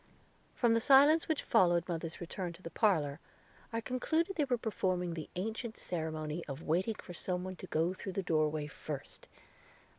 From the silence which followed mother's return to the parlor, I concluded they were performing the ancient ceremony of waiting for some one to go through the doorway first.